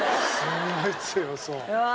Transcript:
すごい強そう。